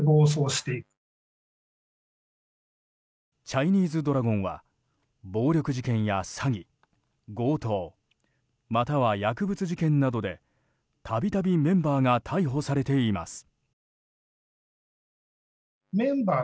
チャイニーズドラゴンは暴力事件や詐欺、強盗または薬物事件などで、たびたびメンバーが逮捕されています。